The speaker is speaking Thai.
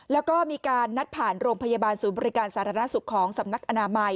แล้วก็มีการนัดผ่านโรงพยาบาลศูนย์บริการสาธารณสุขของสำนักอนามัย